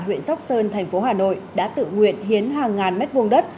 huyện sóc sơn thành phố hà nội đã tự nguyện hiến hàng ngàn mét vuông đất